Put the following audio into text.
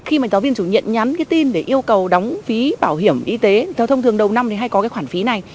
khi mà giáo viên chủ nhiệm nhắn cái tin để yêu cầu đóng phí bảo hiểm y tế theo thông thường đầu năm thì hay có cái khoản phí này